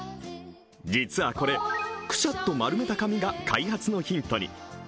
実はこれ、くしゃっと丸めた紙が開発のヒントに。